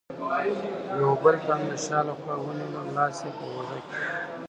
یوه بل تن د شا له خوا ونیولم، لاس یې په اوږه کې.